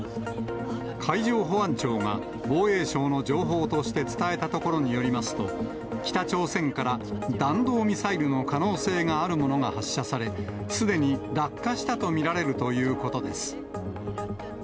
海上保安庁が、防衛省の情報として伝えたところによりますと、北朝鮮から弾道ミサイルの可能性があるものが発射され、すでに落下したと見られるということです。